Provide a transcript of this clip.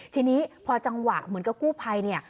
ทีนี้พอจังหวะเหมือนกับกูภัย